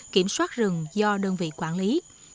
kiểm soát rừng do đơn vị quản lý